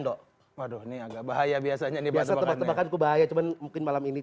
dok waduh nih agak bahaya biasanya dibaca tebakanku bahaya cuman mungkin malam ini